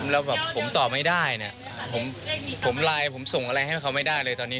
แล้วแบบผมตอบไม่ได้เนี่ยผมไลน์ผมส่งอะไรให้เขาไม่ได้เลยตอนนี้